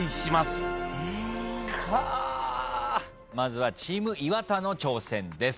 まずはチーム岩田の挑戦です。